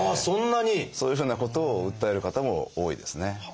そういうふうなことを訴える方も多いですね。